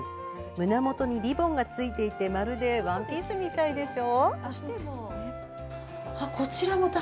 胸元にリボンがついていてまるでワンピースみたいでしょ。